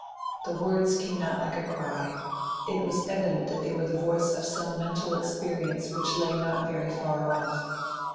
The words came out like a cry: it was evident that they were the voice of some mental experience which lay not very far off.